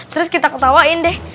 terus kita ketawain deh